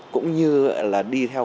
cũng như đi theo